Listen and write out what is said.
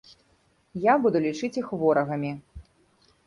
Я буду лічыць іх ворагамі.